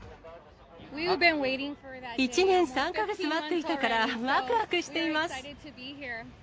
１年３か月待っていたから、わくわくしています。